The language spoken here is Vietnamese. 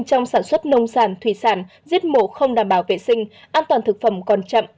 trong sản xuất nông sản thủy sản giết mổ không đảm bảo vệ sinh an toàn thực phẩm còn chậm